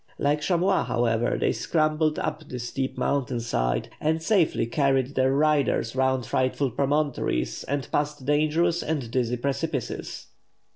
Like chamois, however, they scrambled up the steep mountain side, and safely carried their riders round frightful promontories and past dangerous and dizzy precipices.